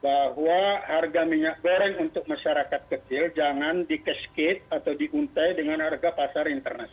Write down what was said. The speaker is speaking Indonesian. bahwa migor premium sama kemasan sederhana itu bergantung